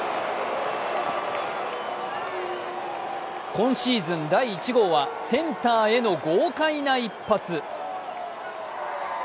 今シーズン第１号は、センターへの豪快な一発。